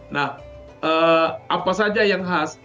nah apa saja yang khas